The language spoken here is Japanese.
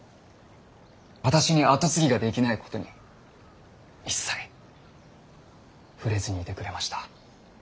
私に跡継ぎができないことに一切触れずにいてくれました。